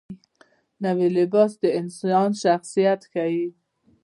نوی لباس د انسان شخصیت ښیي